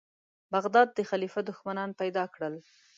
بغداد د خلیفه دښمنان پیدا کړل.